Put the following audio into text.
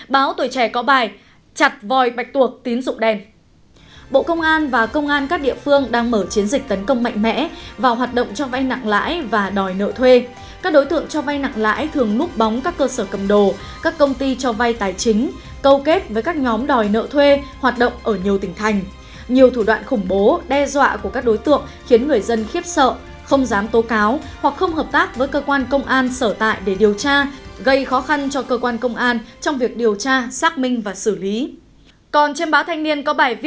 báo tuổi trẻ có bài chặt vòi bạch tuộc tín dụng đen